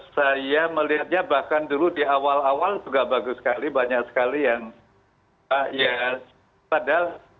saya melihatnya bahkan dulu di awal awal juga bagus sekali banyak sekali yang ya padahal